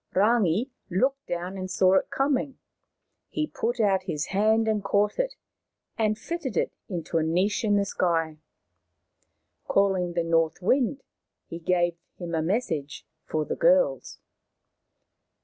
Rangi looked down and saw it coming. He put out his hand and caught it, and fitted it into a niche in the sky. Calling the North Wind, he gave him a message for the girls.